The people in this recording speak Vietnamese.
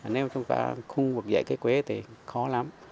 nếu chúng ta không vực dậy cái quế thì khó lắm